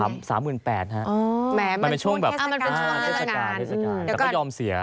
มันเป็นช่วงเทศกาลแต่ก็ยอมเสีย